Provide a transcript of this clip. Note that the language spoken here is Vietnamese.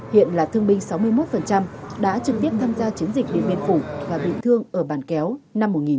hiện là thương binh sáu mươi một đã trực tiếp tham gia chiến dịch điện biên phủ và bị thương ở bàn kéo năm một nghìn chín trăm bảy mươi